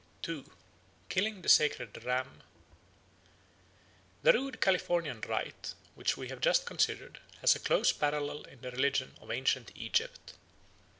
2. Killing the Sacred Ram THE RUDE Californian rite which we have just considered has a close parallel in the religion of ancient Egypt.